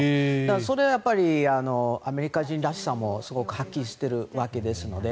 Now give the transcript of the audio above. それはやっぱりアメリカ人らしさもすごく発揮しているわけですので。